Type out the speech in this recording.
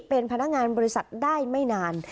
เป็นพนักงานบริษัทได้ไม่นาน